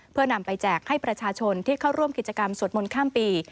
เพื่อนำไปแจกให้ประชาชนที่เข้าร่วมกิจกรรมสวดมนต์ข้ามปี